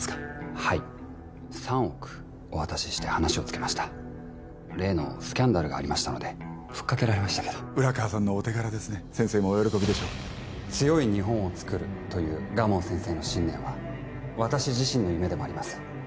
はい３億お渡しして話をつけました例のスキャンダルがありましたのでふっかけられましたけど浦川さんのお手柄ですね先生もお喜びでしょう強い日本をつくるという蒲生先生の信念は私自身の夢でもあります